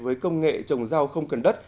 với công nghệ trồng rau không cần đất